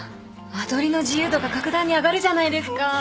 間取りの自由度が格段に上がるじゃないですか。